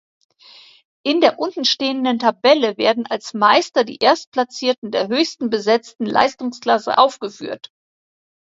In der untenstehenden Tabelle werden als Meister die Erstplatzierten der höchsten besetzten Leistungsklasse aufgeführt.